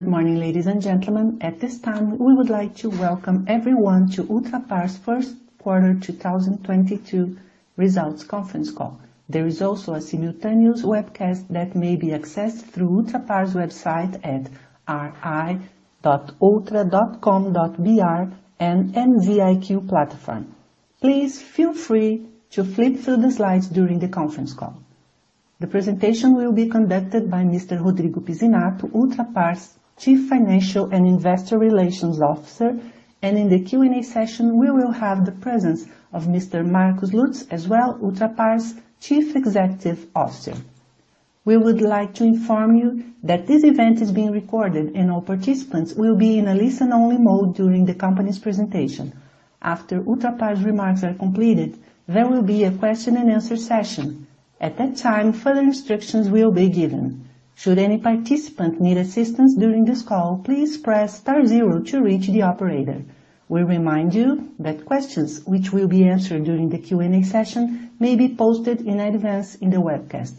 Good morning, ladies and gentlemen. At this time, we would like to welcome everyone to Ultrapar's first quarter 2022 results conference call. There is also a simultaneous webcast that may be accessed through Ultrapar's website at ri.ultra.com.br and MZiQ platform. Please feel free to flip through the slides during the conference call. The presentation will be conducted by Mr. Rodrigo Pizzinatto, Ultrapar's Chief Financial and Investor Relations Officer. In the Q&A session, we will have the presence of Mr. Marcos Lutz as well, Ultrapar's Chief Executive Officer. We would like to inform you that this event is being recorded, and all participants will be in a listen only mode during the company's presentation. After Ultrapar's remarks are completed, there will be a question and answer session. At that time, further instructions will be given. Should any participant need assistance during this call, please press star zero to reach the operator. We remind you that questions which will be answered during the Q&A session may be posted in advance in the webcast.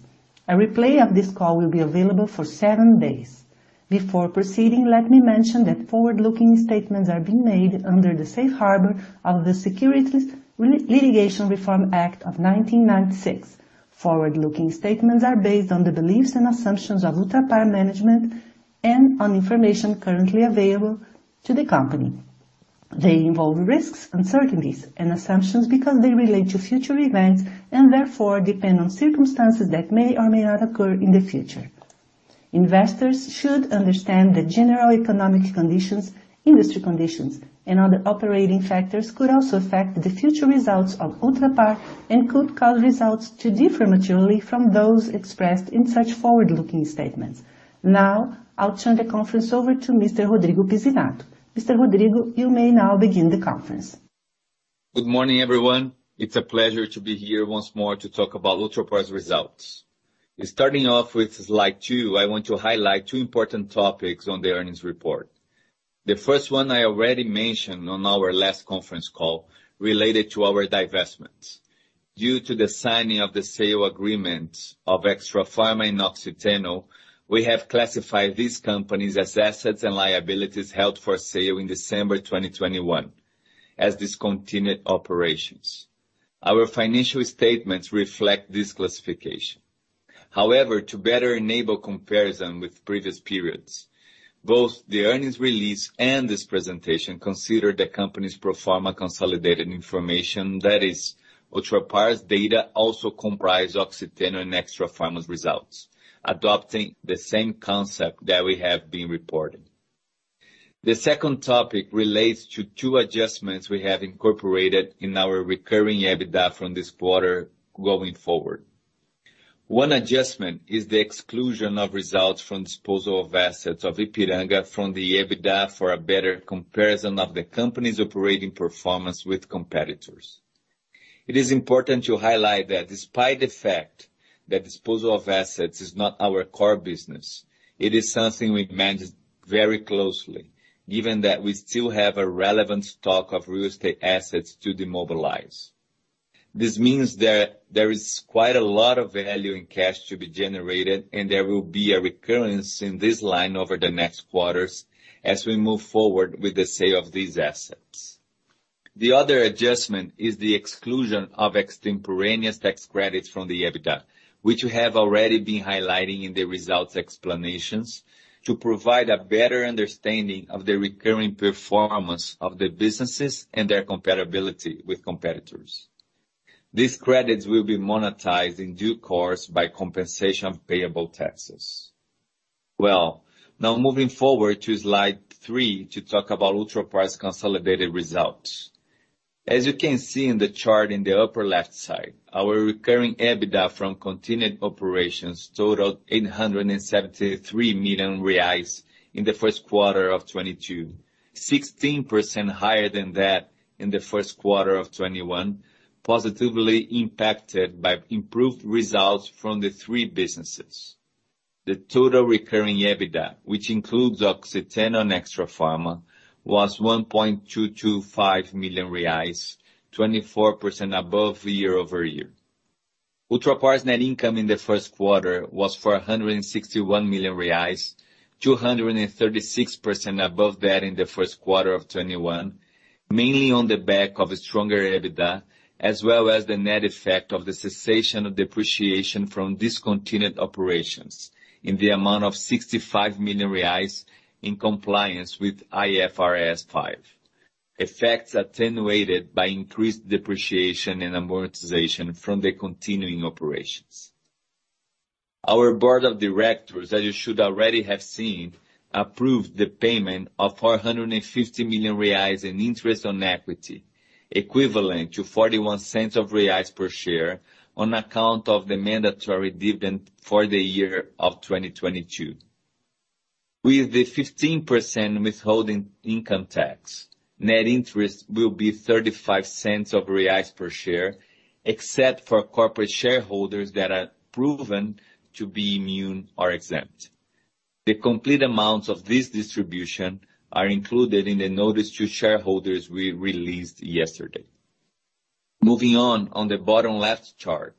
A replay of this call will be available for seven days. Before proceeding, let me mention that forward-looking statements are being made under the safe harbor of the Private Securities Litigation Reform Act of 1995. Forward-looking statements are based on the beliefs and assumptions of Ultrapar management and on information currently available to the company. They involve risks, uncertainties and assumptions because they relate to future events and therefore depend on circumstances that may or may not occur in the future. Investors should understand the general economic conditions, industry conditions, and other operating factors could also affect the future results of Ultrapar and could cause results to differ materially from those expressed in such forward-looking statements. Now, I'll turn the conference over to Mr. Rodrigo Pizzinatto. Mr. Rodrigo, you may now begin the conference. Good morning, everyone. It's a pleasure to be here once more to talk about Ultrapar's results. Starting off with slide two, I want to highlight two important topics on the earnings report. The first one I already mentioned on our last conference call, related to our divestments. Due to the signing of the sale agreement of Extrafarma and Oxiteno, we have classified these companies as assets and liabilities held for sale in December 2021 as discontinued operations. Our financial statements reflect this classification. However, to better enable comparison with previous periods, both the earnings release and this presentation consider the company's pro forma consolidated information. That is, Ultrapar's data also comprise Oxiteno and Extrafarma's results, adopting the same concept that we have been reporting. The second topic relates to two adjustments we have incorporated in our recurring EBITDA from this quarter going forward. One adjustment is the exclusion of results from disposal of assets of Ipiranga from the EBITDA for a better comparison of the company's operating performance with competitors. It is important to highlight that despite the fact that disposal of assets is not our core business, it is something we manage very closely, given that we still have a relevant stock of real estate assets to demobilize. This means that there is quite a lot of value in cash to be generated, and there will be a recurrence in this line over the next quarters as we move forward with the sale of these assets. The other adjustment is the exclusion of extemporaneous tax credits from the EBITDA, which we have already been highlighting in the results explanations to provide a better understanding of the recurring performance of the businesses and their comparability with competitors. These credits will be monetized in due course by compensation of payable taxes. Well, now moving forward to slide three to talk about Ultrapar's consolidated results. As you can see in the chart in the upper left side, our recurring EBITDA from continued operations totaled 873 million reais in the first quarter of 2022, 16% higher than that in the first quarter of 2021, positively impacted by improved results from the three businesses. The total recurring EBITDA, which includes Oxiteno and Extrafarma, was BRL 1.225 million, 24% above year-over-year. Ultrapar's net income in the first quarter was 461 million reais, 236% above that in the first quarter of 2021, mainly on the back of a stronger EBITDA, as well as the net effect of the cessation of depreciation from discontinued operations in the amount of 65 million reais in compliance with IFRS five. Effects attenuated by increased depreciation and amortization from the continuing operations. Our board of directors, as you should already have seen, approved the payment of 450 million reais in interest on equity, equivalent to 0.41 per share on account of the mandatory dividend for the year of 2022. With the 15% withholding income tax, net interest will be 0.35 per share, except for corporate shareholders that are proven to be immune or exempt. The complete amounts of this distribution are included in the notice to shareholders we released yesterday. Moving on the bottom left chart,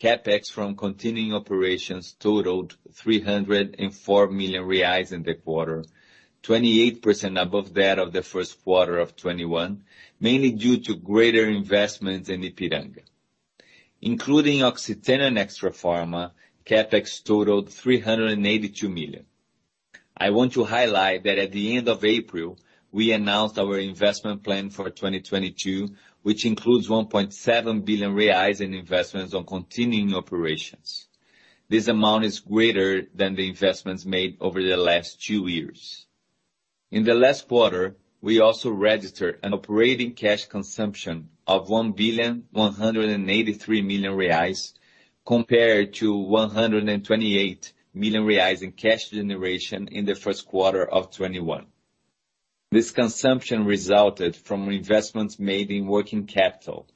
CapEx from continuing operations totaled 304 million reais in the quarter, 28% above that of the first quarter of 2021, mainly due to greater investments in Ipiranga. Including Oxiteno and Extrafarma, CapEx totaled 382 million. I want to highlight that at the end of April, we announced our investment plan for 2022, which includes 1.7 billion reais in investments on continuing operations. This amount is greater than the investments made over the last two years. In the last quarter, we also registered an operating cash consumption of 1.183 billion compared to 128 million reais in cash generation in the first quarter of 2021. This consumption resulted from investments made in working capital,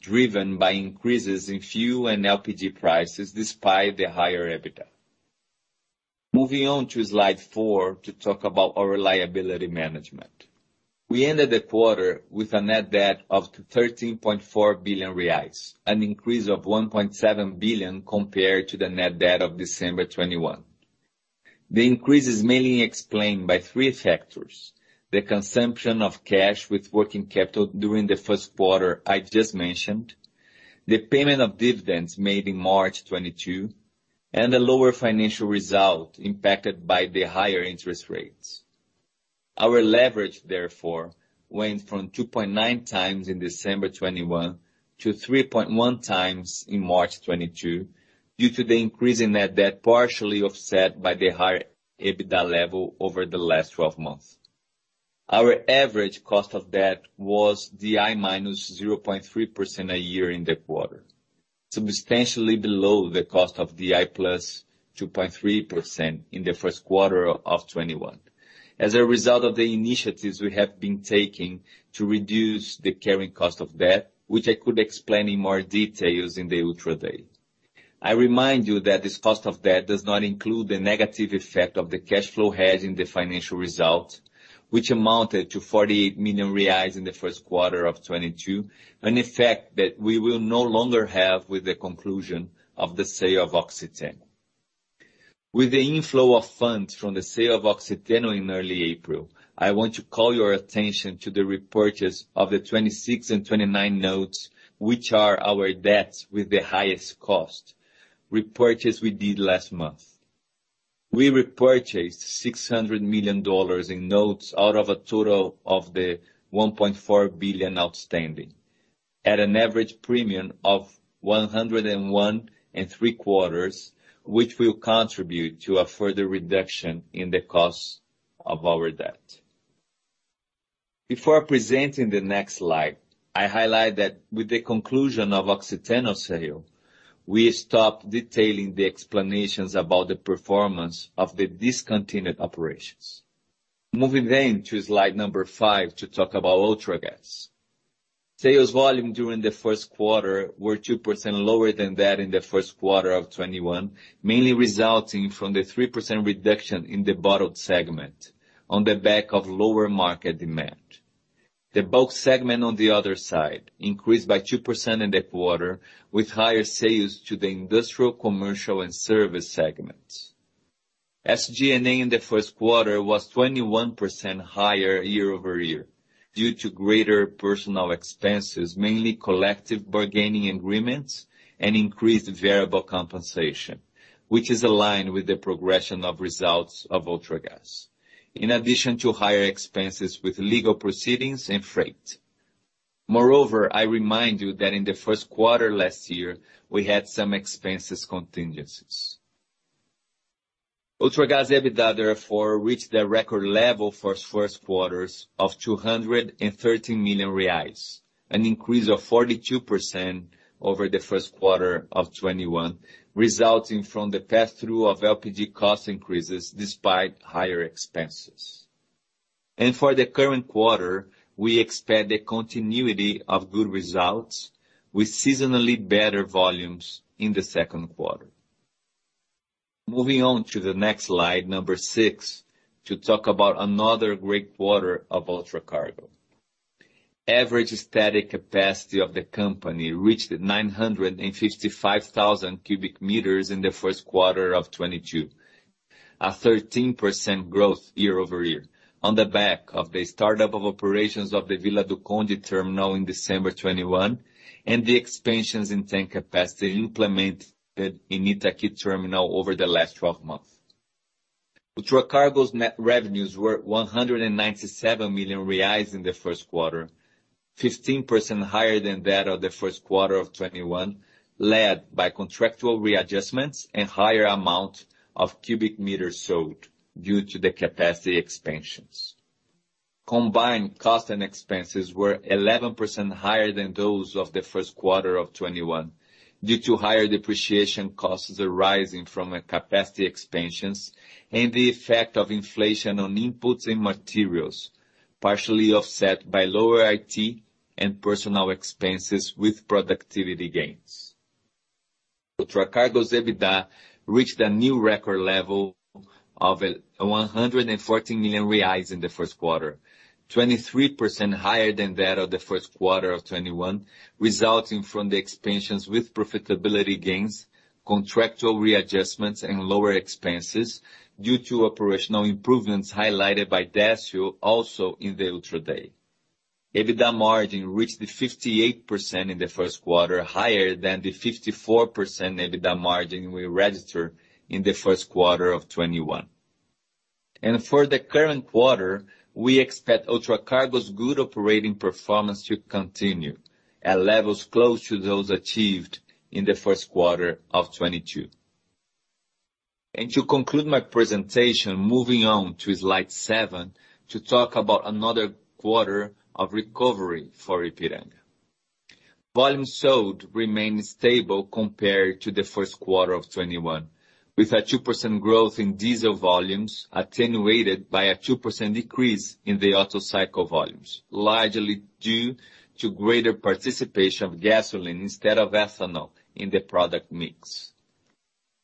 driven by increases in fuel and LPG prices despite the higher EBITDA. Moving on to slide four to talk about our liability management. We ended the quarter with a net debt of 13.4 billion reais, an increase of 1.7 billion compared to the net debt of December 2021. The increase is mainly explained by three factors, the consumption of cash with working capital during the first quarter I've just mentioned, the payment of dividends made in March 2022, and a lower financial result impacted by the higher interest rates. Our leverage therefore went from 2.9x in December 2021 to 3.1x in March 2022 due to the increase in net debt partially offset by the higher EBITDA level over the last twelve months. Our average cost of debt was DI minus 0.3% a year in the quarter, substantially below the cost of DI plus 2.3% in the first quarter of 2021. As a result of the initiatives we have been taking to reduce the carrying cost of debt, which I could explain in more details in the Ultrapar. I remind you that this cost of debt does not include the negative effect of the cash flow hedge in the financial results, which amounted to 48 million reais in the first quarter of 2022, an effect that we will no longer have with the conclusion of the sale of Oxiteno. With the inflow of funds from the sale of Oxiteno in early April, I want to call your attention to the repurchase of the 26 and 29 notes, which are our debts with the highest cost, repurchase we did last month. We repurchased $600 million in notes out of a total of the $1.4 billion outstanding at an average premium of 101.75, which will contribute to a further reduction in the cost of our debt. Before presenting the next slide, I highlight that with the conclusion of Oxiteno sale, we stopped detailing the explanations about the performance of the discontinued operations. Moving to slide number 5 to talk about Ultragaz. Sales volume during the first quarter was 2% lower than that in the first quarter of 2021, mainly resulting from the 3% reduction in the bottled segment on the back of lower market demand. The bulk segment on the other side increased by 2% in the quarter, with higher sales to the industrial, commercial, and service segments. SG&A in the first quarter was 21% higher year-over-year due to greater personnel expenses, mainly collective bargaining agreements and increased variable compensation, which is aligned with the progression of results of Ultragaz, in addition to higher expenses with legal proceedings and freight. Moreover, I remind you that in the first quarter last year, we had some expense contingencies. Ultragaz's EBITDA therefore reached a record level for its first quarters of 213 million reais, an increase of 42% over the first quarter of 2021, resulting from the pass-through of LPG cost increases despite higher expenses. For the current quarter, we expect a continuity of good results with seasonally better volumes in the second quarter. Moving on to the next slide, number six, to talk about another great quarter of Ultracargo. Average static capacity of the company reached 955,000 cubic meters in the first quarter of 2022, a 13% growth year-over-year on the back of the startup of operations of the Vila do Conde terminal in December 2021 and the expansions in tank capacity implemented in Itaquí terminal over the last 12 months. Ultracargo's net revenues were 197 million reais in the first quarter, 15% higher than that of the first quarter of 2021, led by contractual readjustments and higher amount of cubic meters sold due to the capacity expansions. Combined costs and expenses were 11% higher than those of the first quarter of 2021 due to higher depreciation costs arising from capacity expansions and the effect of inflation on inputs and materials, partially offset by lower IT and personnel expenses with productivity gains. Ultracargo's EBITDA reached a new record level of 140 million reais in the first quarter. 23% higher than that of the first quarter of 2021, resulting from the expansions with profitability gains, contractual readjustments, and lower expenses due to operational improvements highlighted by Décio also in the Ultra Day. EBITDA margin reached 58% in the first quarter, higher than the 54% EBITDA margin we registered in the first quarter of 2021. For the current quarter, we expect Ultracargo's good operating performance to continue at levels close to those achieved in the first quarter of 2022. To conclude my presentation, moving on to slide seven to talk about another quarter of recovery for Ipiranga. Volume sold remained stable compared to the first quarter of 2021, with a 2% growth in diesel volumes, attenuated by a 2% decrease in the auto cycle volumes, largely due to greater participation of gasoline instead of ethanol in the product mix.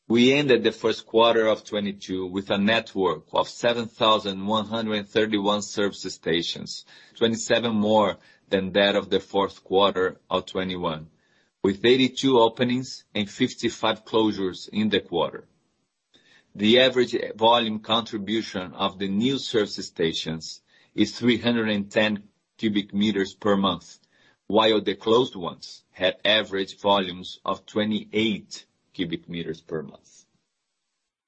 We ended the first quarter of 2022 with a network of 7,131 service stations, 27 more than that of the fourth quarter of 2021, with 82 openings and 55 closures in the quarter. The average volume contribution of the new service stations is 310 cubic meters per month, while the closed ones had average volumes of 28 cubic m per month.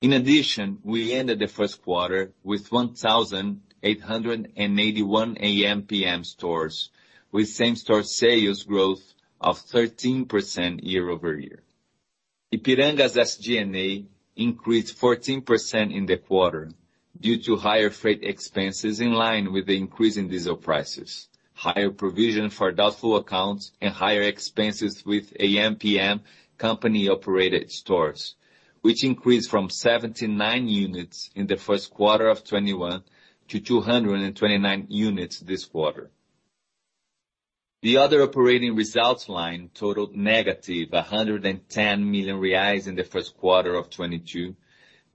In addition, we ended the first quarter with 1,881 ampm stores, with same-store sales growth of 13% year over year. Ipiranga's SG&A increased 14% in the quarter due to higher freight expenses in line with the increase in diesel prices, higher provision for doubtful accounts, and higher expenses with ampm company-operated stores, which increased from 79 units in the first quarter of 2021 to 229 units this quarter. The other operating results line totaled negative 110 million reais in the first quarter of 2022,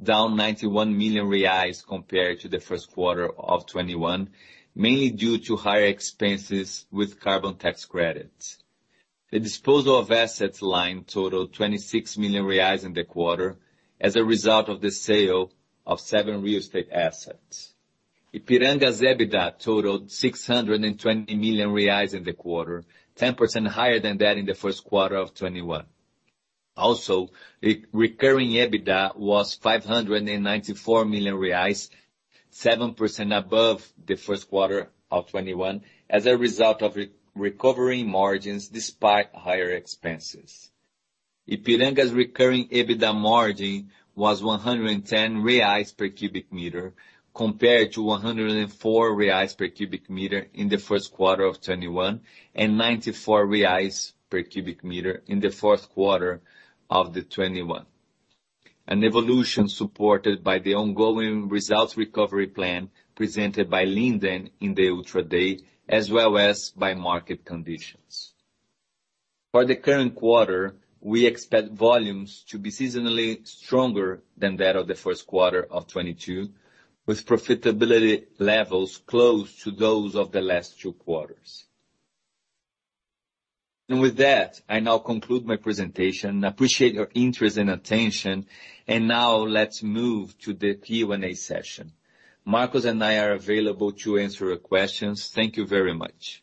down 91 million reais compared to the first quarter of 2021, mainly due to higher expenses with carbon tax credits. The disposal of assets line totaled 26 million reais in the quarter as a result of the sale of seven real estate assets. Ipiranga's EBITDA totaled 620 million reais in the quarter, 10% higher than that in the first quarter of 2021. Recurring EBITDA was 594 million reais, 7% above the first quarter of 2021, as a result of recovery margins despite higher expenses. Ipiranga's recurring EBITDA margin was 110 reais per cubic meter, compared to 104 reais per cubic meter in the first quarter of 2021, and 94 reais per cubic meter in the fourth quarter of 2021. An evolution supported by the ongoing results recovery plan presented by Linden in the Ultra Day, as well as by market conditions. For the current quarter, we expect volumes to be seasonally stronger than that of the first quarter of 2022, with profitability levels close to those of the last two quarters. With that, I now conclude my presentation. I appreciate your interest and attention. Now let's move to the Q&A session. Marcos and I are available to answer your questions. Thank you very much.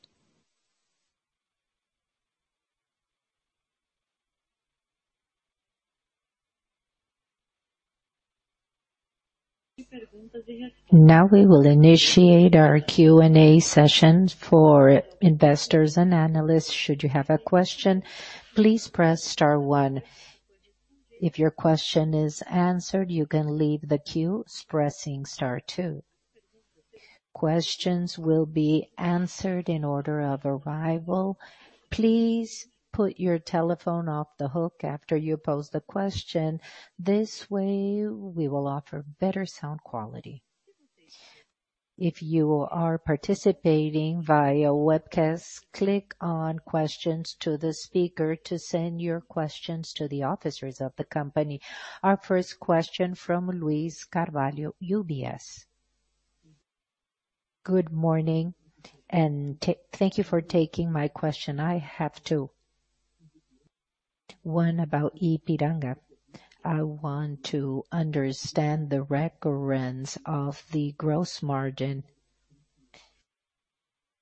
Now we will initiate our Q&A session for investors and analysts. Should you have a question, please press star one. If your question is answered, you can leave the queue pressing star two. Questions will be answered in order of arrival. Please put your telephone off the hook after you pose the question. This way, we will offer better sound quality. If you are participating via webcast, click on Questions to the Speaker to send your questions to the officers of the company. Our first question from Luiz Carvalho, UBS. Good morning, and thank you for taking my question. I have two. One about Ipiranga. I want to understand the recurrence of the gross margin.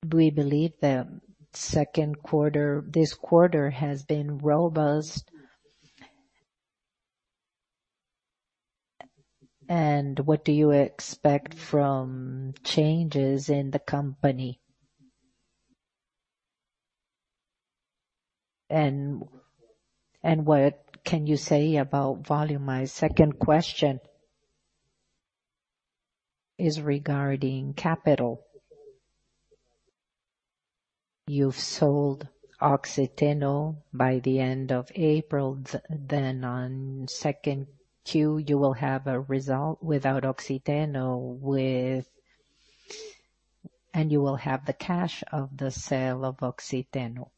Do we believe the second quarter, this quarter has been robust? And what do you expect from changes in the company? And what can you say about volume? My second question is regarding capital. You've sold Oxiteno by the end of April, then on second Q, you will have a result without Oxiteno. You will have the cash of the sale of Oxiteno.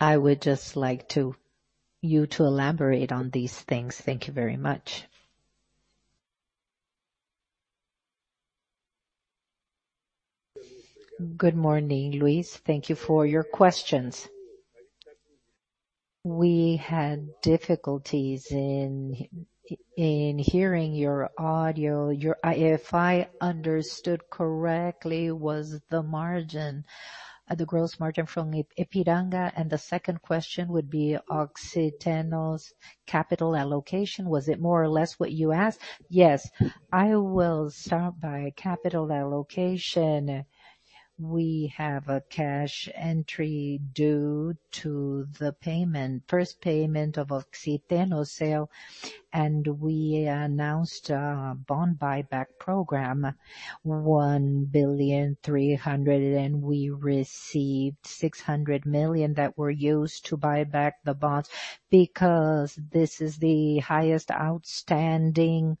I would just like you to elaborate on these things. Thank you very much. Good morning, Luiz. Thank you for your questions. We had difficulties in hearing your audio. If I understood correctly, was the margin, the gross margin from Ipiranga, and the second question would be Oxiteno's capital allocation. Was it more or less what you asked? Yes. I will start by capital allocation. We have a cash entry due to the first payment of Oxiteno sale, and we announced a bond buyback program, $1.3 billion, and we received $600 million that were used to buy back the bonds. Because this is the highest outstanding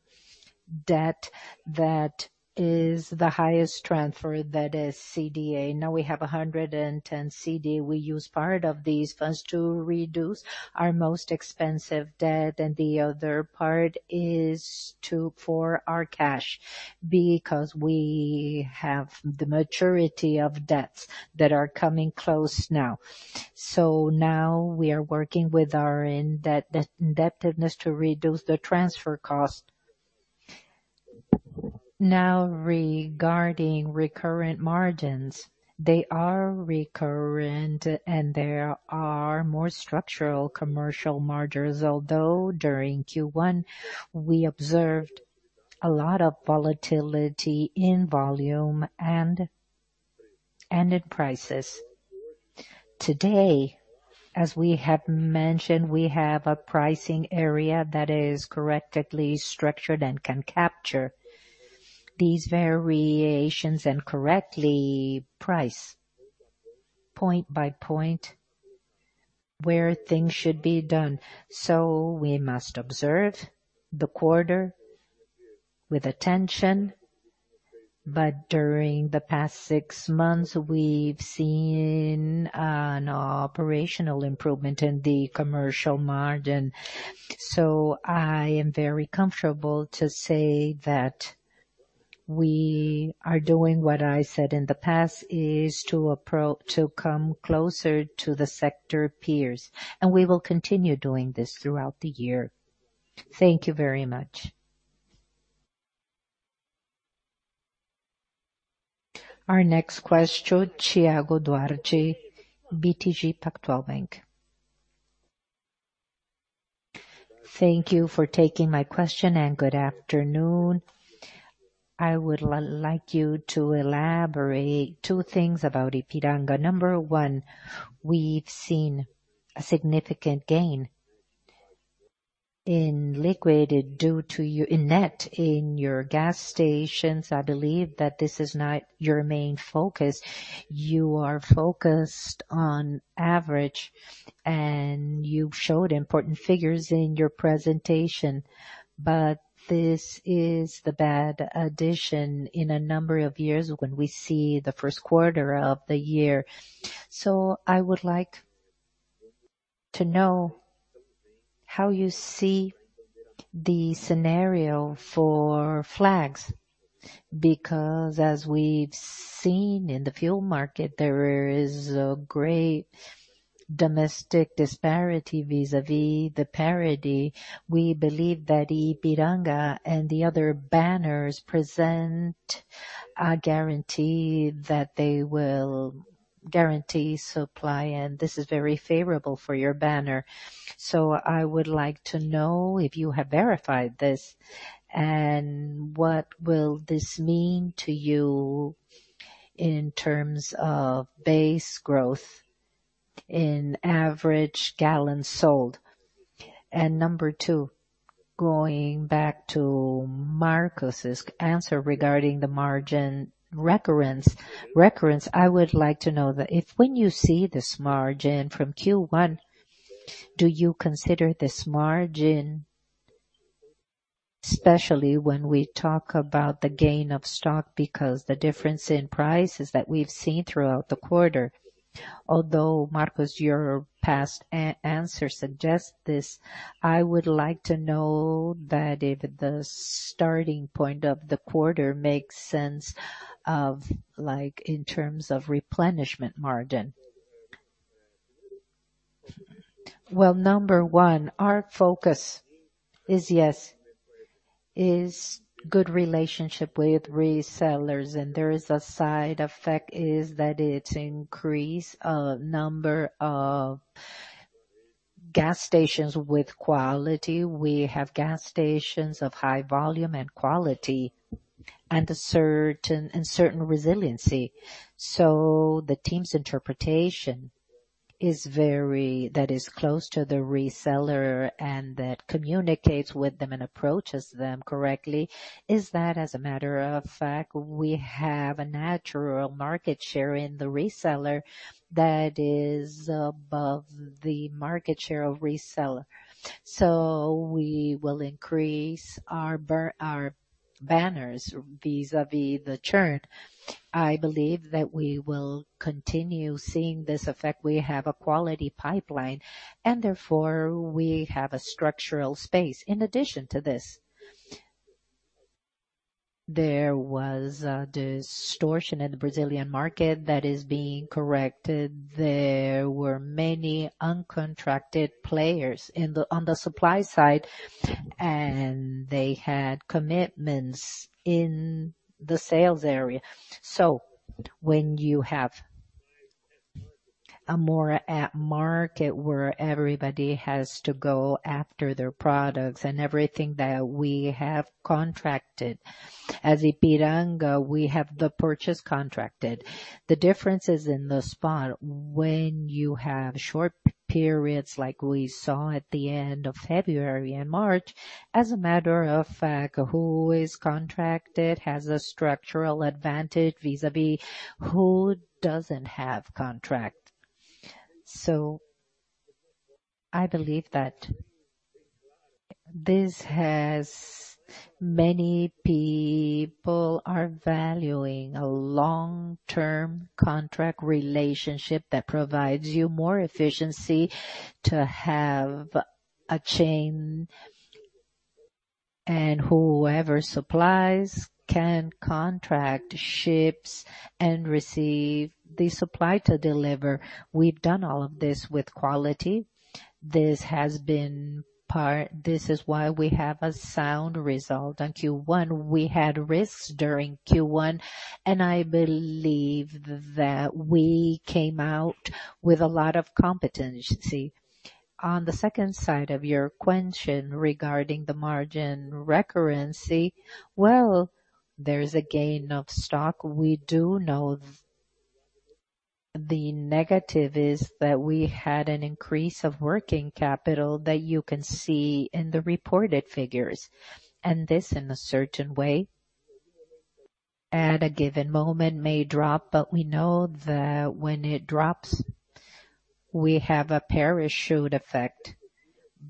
debt that is the highest interest that is CDI. Now we have 110 CDI. We use part of these funds to reduce our most expensive debt, and the other part is for our cash because we have the maturity of debts that are coming close now. Now we are working with our indebtedness to reduce the transfer cost. Now, regarding recurrent margins, they are recurrent, and there are more structural commercial margins. Although during Q1, we observed a lot of volatility in volume and in prices. Today, as we have mentioned, we have a pricing area that is correctly structured and can capture these variations and correctly price point by point where things should be done. We must observe the quarter with attention. During the past six months, we've seen an operational improvement in the commercial margin. I am very comfortable to say that we are doing what I said in the past, is to come closer to the sector peers, and we will continue doing this throughout the year. Thank you very much. Our next question, Thiago Duarte, BTG Pactual. Thank you for taking my question, and good afternoon. I would like you to elaborate two things about Ipiranga. Number one, we've seen a significant gain in liquidity due to your increment in your gas stations. I believe that this is not your main focus. You are focused on ampm, and you showed important figures in your presentation. This is the best addition in a number of years when we see the first quarter of the year. I would like to know how you see the scenario for banners, because as we've seen in the fuel market, there is a great domestic disparity vis-a-vis the parity. We believe that Ipiranga and the other banners present a guarantee that they will guarantee supply, and this is very favorable for your banner. I would like to know if you have verified this and what will this mean to you in terms of base growth in average gallons sold. Number two, going back to Marcos' answer regarding the margin recurrence, I would like to know that if when you see this margin from Q1, do you consider this margin, especially when we talk about the gain of stock because the difference in prices that we've seen throughout the quarter. Although, Marcos, your past answer suggests this, I would like to know that if the starting point of the quarter makes sense of like in terms of replenishment margin. Well, number one, our focus is yes, is good relationship with resellers. There is a side effect is that it increase a number of gas stations with quality. We have gas stations of high volume and quality and a certain resiliency. The team's interpretation that is close to the reseller and that communicates with them and approaches them correctly is that, as a matter of fact, we have a natural market share in the reseller that is above the market share of reseller. We will increase our banners vis-a-vis the churn. I believe that we will continue seeing this effect. We have a quality pipeline, and therefore we have a structural space. In addition to this, there was a distortion in the Brazilian market that is being corrected. There were many uncontracted players on the supply side, and they had commitments in the sales area. When you have a more adequate market where everybody has to go after their products and everything that we have contracted. As Ipiranga, we have the purchase contracted. The difference is in the spot when you have short periods like we saw at the end of February and March, as a matter of fact, who is contracted has a structural advantage vis-à-vis who doesn't have contract. I believe that this has many people are valuing a long-term contract relationship that provides you more efficiency to have a chain, and whoever supplies can contract ships and receive the supply to deliver. We've done all of this with quality. This is why we have a sound result on Q1. We had risks during Q1, and I believe that we came out with a lot of competency. On the second side of your question regarding the margin recurrency, well, there is a gain of stock. We do know the negative is that we had an increase of working capital that you can see in the reported figures, and this in a certain way at a given moment may drop. We know that when it drops, we have a parachute effect.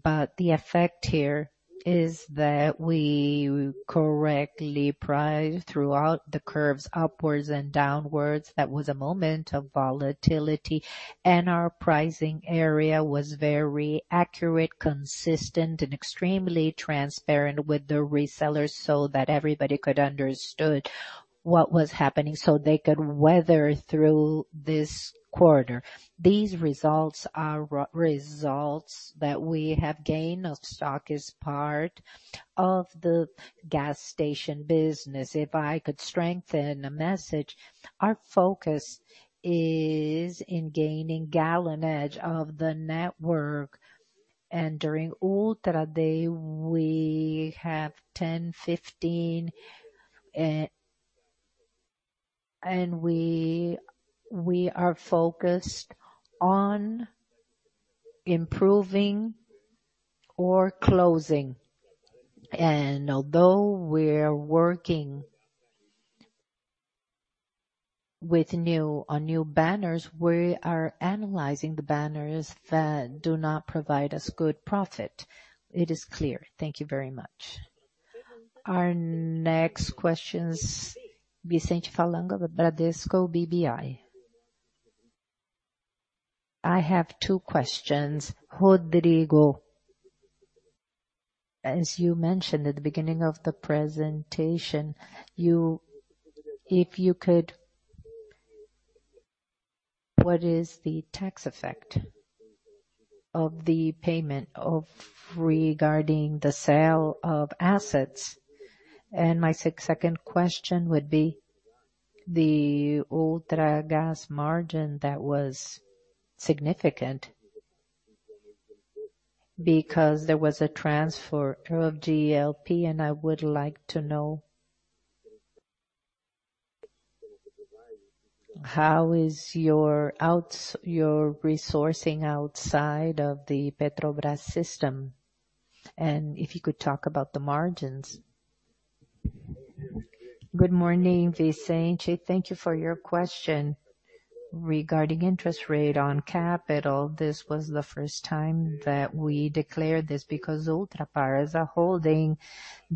The effect here is that we correctly price throughout the curves upwards and downwards. That was a moment of volatility, and our pricing area was very accurate, consistent, and extremely transparent with the resellers so that everybody could understand what was happening so they could weather through this quarter. These results are real results that we have gained in stock as part of the gas station business. If I could strengthen a message, our focus is in gaining gallonage of the network. During Ultra Day, we have 10, 15, and we are focused on improving or closing. Although we're working on new banners, we are analyzing the banners that do not provide us good profit. It is clear. Thank you very much. Our next question is Vicente Falanga of Bradesco BBI. I have two questions. Rodrigo, as you mentioned at the beginning of the presentation, if you could, what is the tax effect of the payment regarding the sale of assets? My second question would be the Ultragaz margin that was significant because there was a transfer of GLP, and I would like to know how is your resourcing outside of the Petrobras system, and if you could talk about the margins. Good morning, Vicente. Thank you for your question. Regarding interest rate on capital, this was the first time that we declared this because Ultrapar as a holding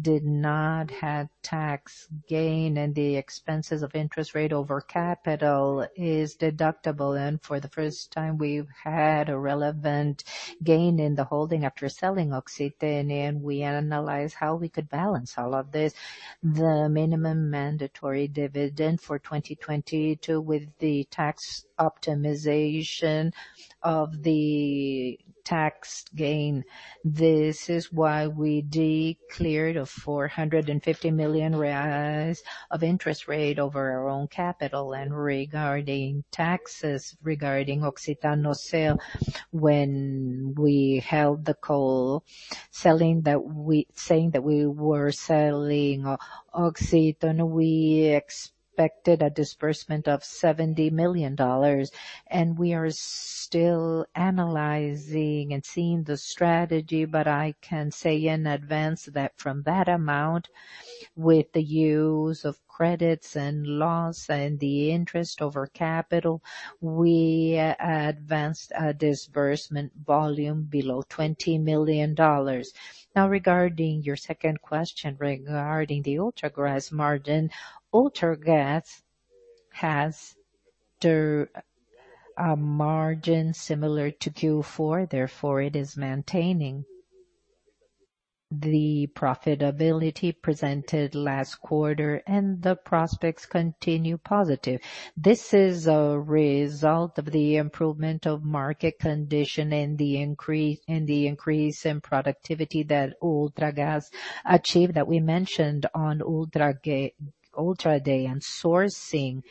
did not have tax gain, and the expenses of interest rate over capital is deductible. For the first time, we've had a relevant gain in the holding after selling Oxiteno, and we analyzed how we could balance all of this. The minimum mandatory dividend for 2022 with the tax optimization of the tax gain. This is why we declared 450 million of interest rate over our own capital. Regarding taxes, regarding Oxiteno sale. When we held the call saying that we were selling Oxiteno, we expected a disbursement of $70 million. We are still analyzing and seeing the strategy, but I can say in advance that from that amount, with the use of credits and loss and the interest over capital, we advanced a disbursement volume below $20 million. Now, regarding your second question regarding the Ultragaz margin. Ultragaz has the margin similar to Q4, therefore it is maintaining the profitability presented last quarter, and the prospects continue positive. This is a result of the improvement of market condition and the increase in productivity that Ultragaz achieved that we mentioned on Ultra Day, and sourcing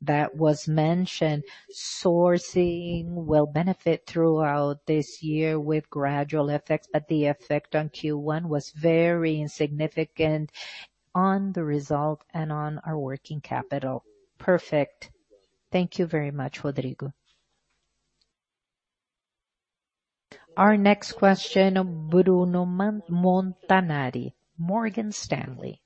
that was mentioned. Sourcing will benefit throughout this year with gradual effects, but the effect on Q1 was very insignificant on the result and on our working capital. Perfect. Thank you very much, Rodrigo. Our next question, Bruno Montanari, Morgan Stanley.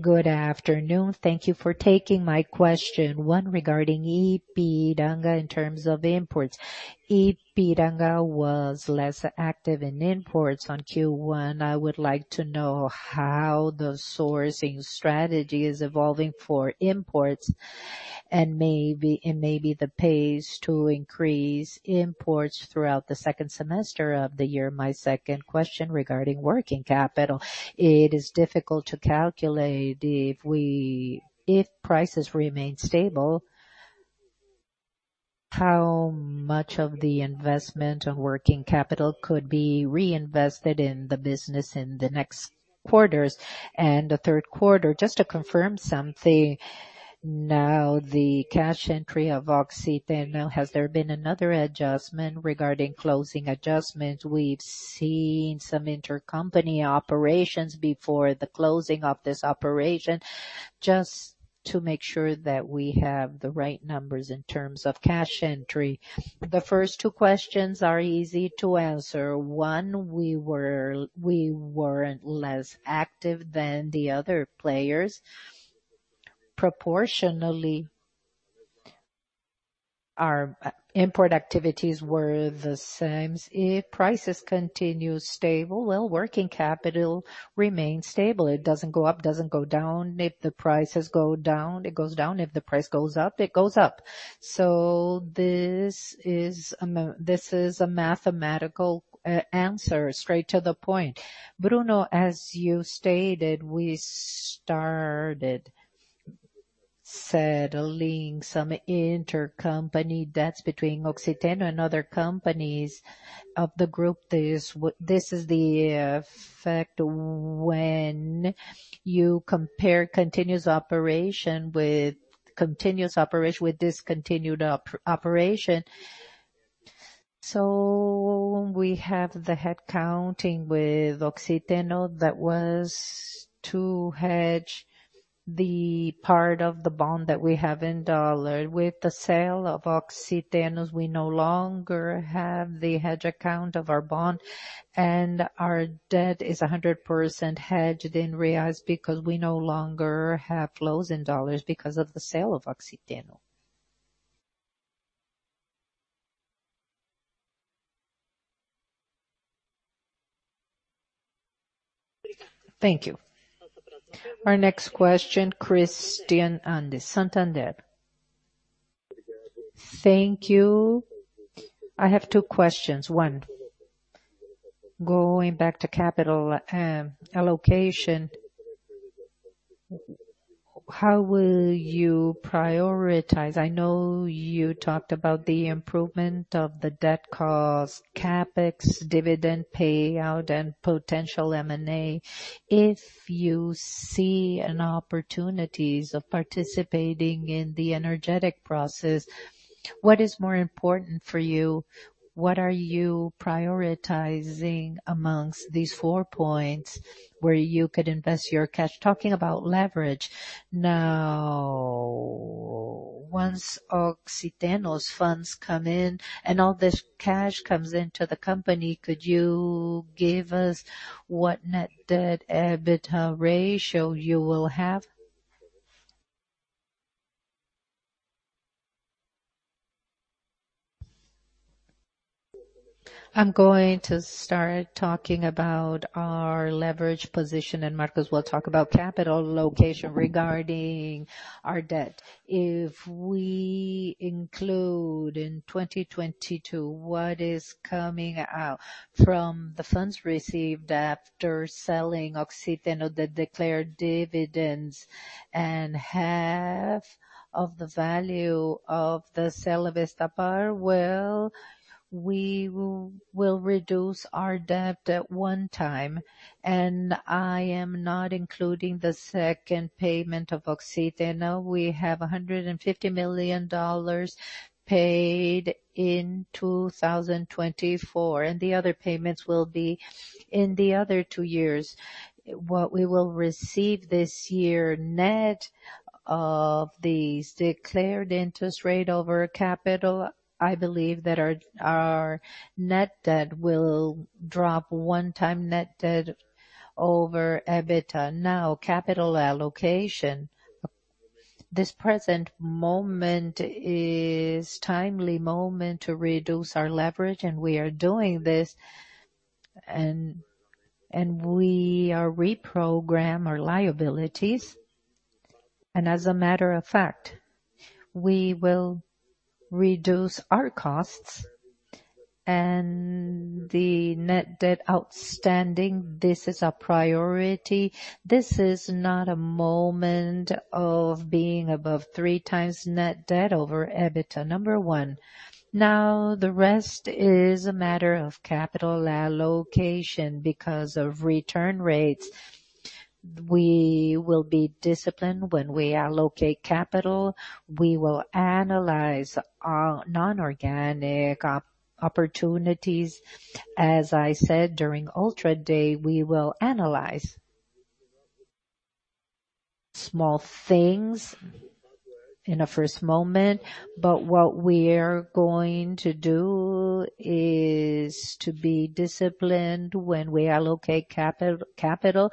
Good afternoon. Thank you for taking my question. One, regarding Ipiranga in terms of imports. Ipiranga was less active in imports on Q1. I would like to know how the sourcing strategy is evolving for imports and maybe the pace to increase imports throughout the second semester of the year. My second question regarding working capital. It is difficult to calculate if prices remain stable, how much of the investment of working capital could be reinvested in the business in the next quarters. The third question, just to confirm something. Now the cash entry of Oxiteno, has there been another adjustment regarding closing adjustments? We've seen some intercompany operations before the closing of this operation. Just to make sure that we have the right numbers in terms of cash entry. The first two questions are easy to answer. One, we weren't less active than the other players. Proportionally, our import activities were the same. If prices continue stable, working capital remains stable. It doesn't go up, doesn't go down. If the prices go down, it goes down. If the price goes up, it goes up. This is a mathematical answer, straight to the point. Bruno, as you stated, we started settling some intercompany debts between Oxiteno and other companies of the group. This is the effect when you compare continuous operation with discontinued operation. We have the hedge accounting with Oxiteno that was to hedge the part of the bond that we have in dollar. With the sale of Oxiteno, we no longer have the hedge accounting of our bond, and our debt is 100% hedged in reais because we no longer have loans in dollars because of the sale of Oxiteno. Thank you. Our next question, Christian Audi, Santander. Thank you. I have two questions. One, going back to capital allocation. How will you prioritize? I know you talked about the improvement of the debt cost, CapEx, dividend payout, and potential M&A. If you see opportunities of participating in the energy transition process, what is more important for you? What are you prioritizing amongst these four points where you could invest your cash? Talking about leverage. Now, once Oxiteno's funds come in and all this cash comes into the company, could you give us what net debt EBITDA ratio you will have? I'm going to start talking about our leverage position, and Marcos will talk about capital allocation regarding our debt. If we include in 2022 what is coming out from the funds received after selling Oxiteno, the declared dividends and half of the value of the sale of Vestepar, well, we will reduce our debt to 1x. I am not including the second payment of Oxiteno. We have $150 million paid in 2024, and the other payments will be in the other two years. What we will receive this year net of these declared interest on capital, I believe that our net debt will drop 1x net debt over EBITDA. Now, capital allocation. This present moment is timely moment to reduce our leverage and we are doing this and we are reprogram our liabilities. As a matter of fact, we will reduce our costs and the net debt outstanding. This is our priority. This is not a moment of being above three times net debt over EBITDA, number one. Now, the rest is a matter of capital allocation because of return rates. We will be disciplined when we allocate capital. We will analyze our non-organic opportunities. As I said during Ultra Day, we will analyze small things in the first moment, but what we are going to do is to be disciplined when we allocate capital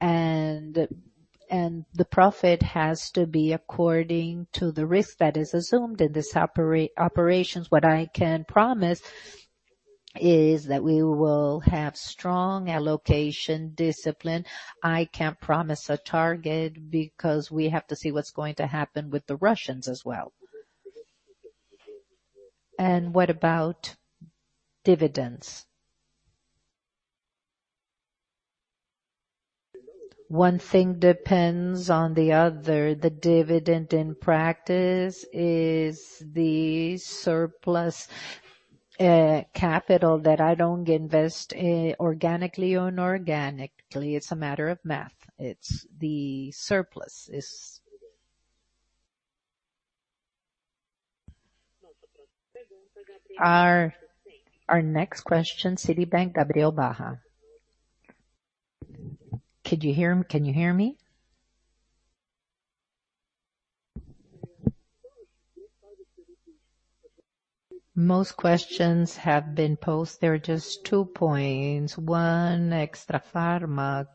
and the profit has to be according to the risk that is assumed in this operations. What I can promise is that we will have strong allocation discipline. I can't promise a target because we have to see what's going to happen with the Russians as well. What about dividends? One thing depends on the other. The dividend in practice is the surplus capital that I don't invest organically or inorganically. It's a matter of math. Our next question, Citi, Gabriel Barra. Can you hear me? Most questions have been posed. There are just two points. One, Extrafarma.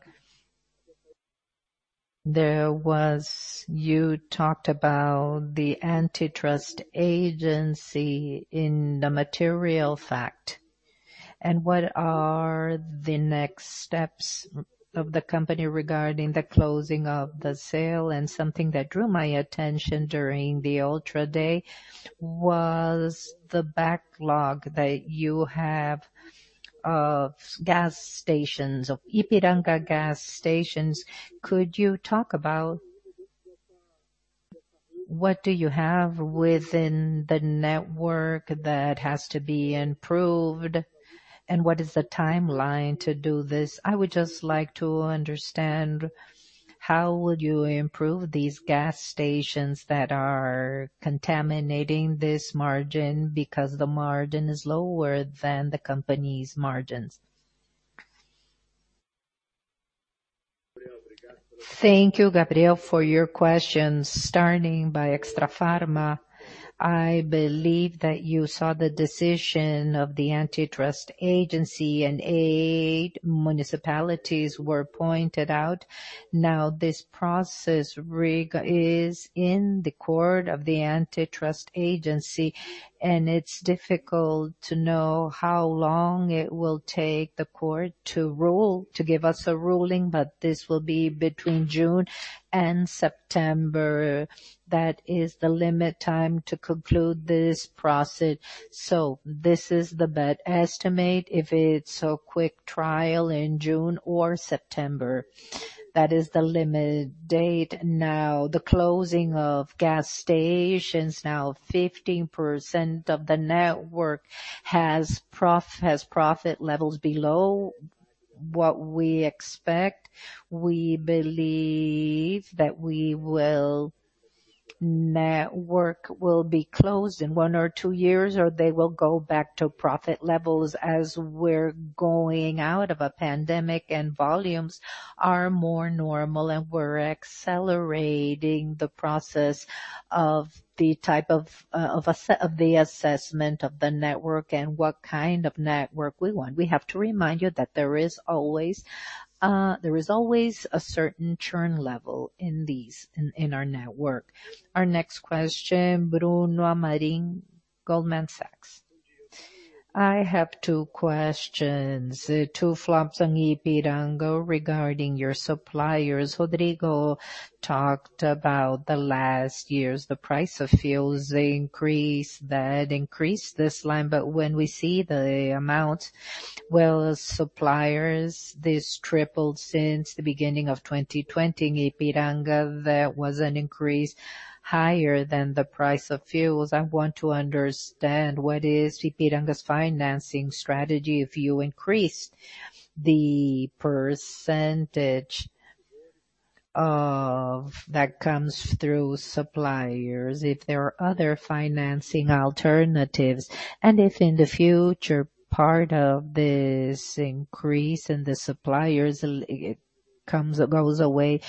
You talked about the antitrust agency in the material fact. What are the next steps of the company regarding the closing of the sale? Something that drew my attention during the Ultra Day was the backlog that you have of gas stations, of Ipiranga gas stations. Could you talk about what you have within the network that has to be improved, and what is the timeline to do this? I would just like to understand how you would improve these gas stations that are contaminating this margin because the margin is lower than the company's margins. Thank you, Gabriel, for your questions. Starting by Extrafarma, I believe that you saw the decision of the antitrust agency and eight municipalities were pointed out. This process, right, is in the court of the antitrust agency, and it's difficult to know how long it will take the court to give us a ruling, but this will be between June and September. That is the limit time to conclude this process. This is the best estimate. If it's a quick trial in June or September, that is the limit date. Now, the closing of gas stations, now 15% of the network has profit levels below what we expect. We believe that network will be closed in one or two years, or they will go back to profit levels as we're going out of a pandemic and volumes are more normal and we're accelerating the process of the type of assessment of the network and what kind of network we want. We have to remind you that there is always a certain churn level in our network. Our next question, Bruno Amorim, Goldman Sachs. I have two questions. Two points on Ipiranga regarding your suppliers. Rodrigo talked about last year's price of fuels, they increased, that increased this line. When we see the amount, suppliers, this tripled since the beginning of 2020. In Ipiranga, there was an increase higher than the price of fuels. I want to understand what is Ipiranga's financing strategy if you increased the percentage of that comes through suppliers, if there are other financing alternatives, and if in the future, part of this increase in the suppliers goes away,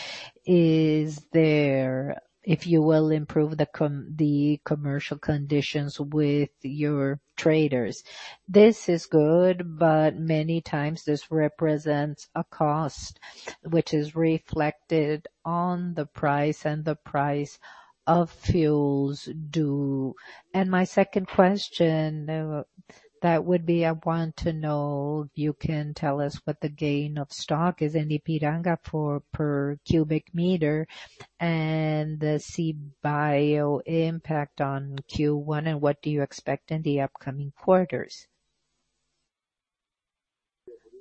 is there if you will improve the commercial conditions with your traders. This is good, but many times this represents a cost which is reflected on the price and the price of fuels, too. My second question, that would be, I want to know if you can tell us what the gain of stock is in the Ipiranga per cubic meter and the CBIO impact on Q1, and what do you expect in the upcoming quarters?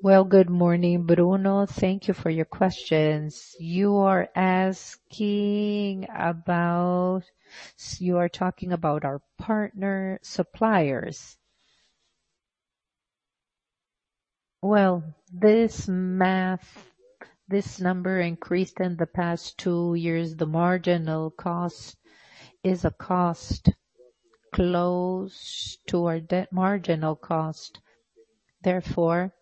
Well, good morning, Bruno. Thank you for your questions. You are asking about. You are talking about our partner suppliers. Well, this math, this number increased in the past two years. The marginal cost is a cost close to our debt marginal cost. Therefore,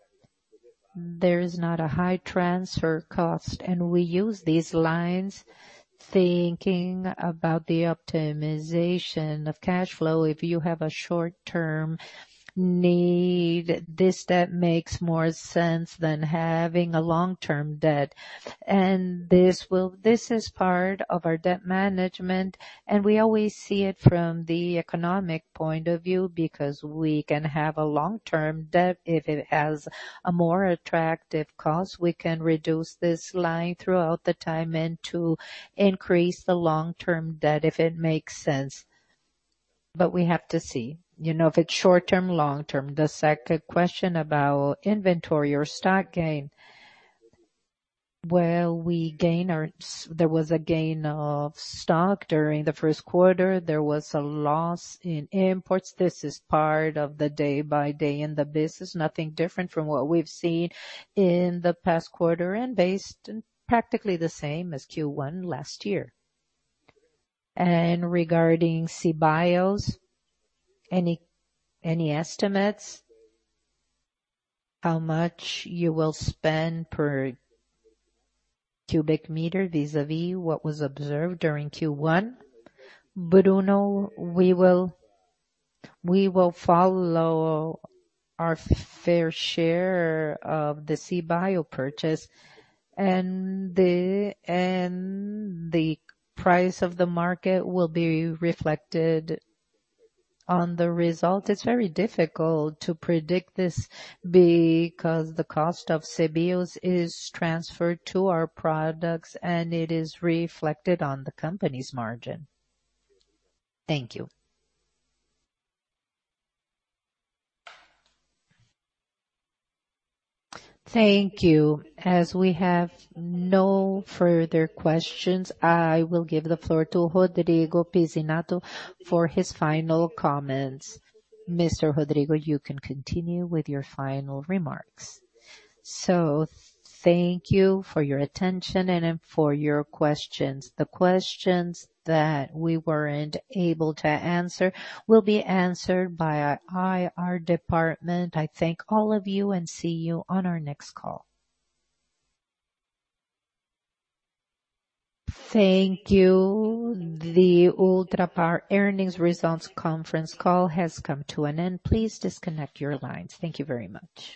there is not a high transfer cost, and we use these lines thinking about the optimization of cash flow. If you have a short-term need, this step makes more sense than having a long-term debt. This is part of our debt management, and we always see it from the economic point of view because we can have a long-term debt if it has a more attractive cost. We can reduce this line throughout the time and to increase the long-term debt if it makes sense. We have to see, you know, if it's short-term, long-term. The second question about inventory or stock gain. There was a gain of stock during the first quarter. There was a loss in imports. This is part of the day by day in the business. Nothing different from what we've seen in the past quarter and based practically the same as Q1 last year. Regarding CBIOs, any estimates how much you will spend per cubic meter vis-a-vis what was observed during Q1? Bruno, we will follow our fair share of the CBIO purchase, and the price of the market will be reflected on the result. It's very difficult to predict this because the cost of CBIOs is transferred to our products, and it is reflected on the company's margin. Thank you. Thank you. As we have no further questions, I will give the floor to Rodrigo Pizzinatto for his final comments. Mr. Rodrigo, you can continue with your final remarks. Thank you for your attention and then for your questions. The questions that we weren't able to answer will be answered by our IR department. I thank all of you and see you on our next call. Thank you. The Ultrapar earnings results conference call has come to an end. Please disconnect your lines. Thank you very much.